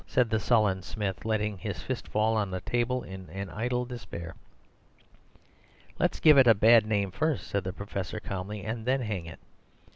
said the sullen Smith, letting his fist fall on the table in an idle despair. "'Let's give it a bad name first,' said the Professor calmly, 'and then hang it.